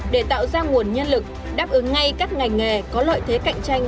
để tạo ra nguồn nhân lực đáp ứng ngay các ngành nghề có lợi thế cạnh tranh